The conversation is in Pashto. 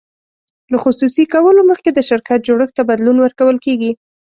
له خصوصي کولو مخکې د شرکت جوړښت ته بدلون ورکول کیږي.